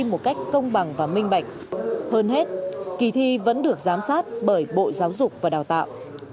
một cách công bằng và minh bạch hơn hết kỳ thi vẫn được giám sát bởi bộ giáo dục và đào tạo